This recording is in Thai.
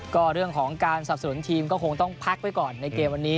ก็เรื่องของการสนับสนุนทีมก็คงต้องพักไว้ก่อนในเกมวันนี้